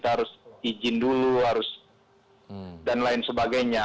harus izin dulu harus dan lain sebagainya